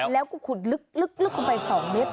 แล้วก็คุดลึกลึกลึกลึกไป๒เมตร